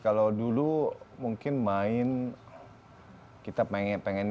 kalau dulu mungkin main